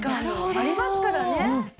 ありますからね。